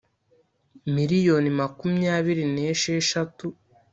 Miliyoni makumyabiri n esheshatu